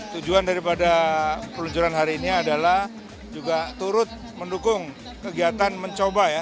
tujuan daripada peluncuran hari ini adalah juga turut mendukung kegiatan mencoba ya